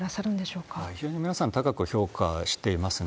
非常に皆さん、高く評価していますね。